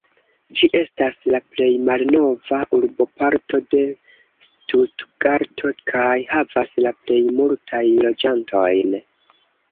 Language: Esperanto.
Ĝi estas la plej malnova urboparto de Stutgarto kaj havas la plej multajn loĝantojn.